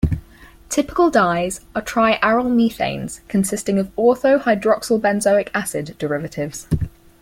Typical dyes are triarylmethanes consisting of ortho-hydroxylbenzoic acid derivatives.